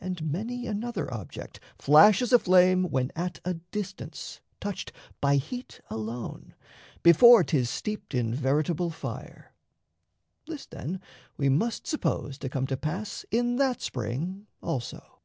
And many another object flashes aflame When at a distance, touched by heat alone, Before 'tis steeped in veritable fire. This, then, we must suppose to come to pass In that spring also.